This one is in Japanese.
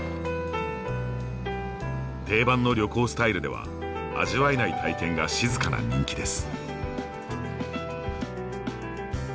定番の旅行スタイルでは味わえない体験が静かな人気です。